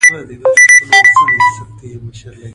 د ښځې په اړه زموږ تصور ښيي.